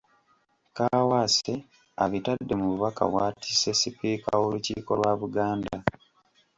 Kaawaase abitadde mu bubaka bw’atisse Sipiika w’Olukiiko lwa Buganda.